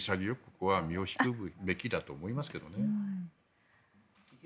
ここは身を引くべきだと思いますけどね。